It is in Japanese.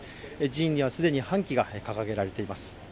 寺院には既に半旗が掲げられています。